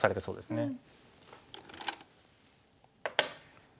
そうですね。